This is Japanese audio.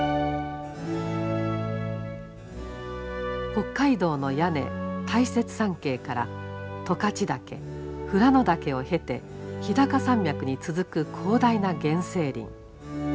北海道の屋根大雪山系から十勝岳富良野岳を経て日高山脈に続く広大な原生林。